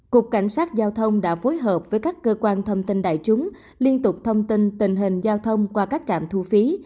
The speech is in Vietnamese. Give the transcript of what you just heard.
cục cảnh sát giao thông đã phối hợp với các cơ quan thông tin đại chúng liên tục thông tin tình hình giao thông qua các trạm thu phí